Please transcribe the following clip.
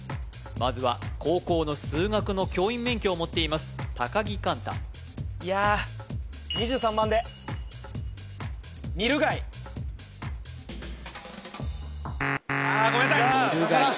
まずは高校の数学の教員免許を持っています高木貫太いやあごめんなさい！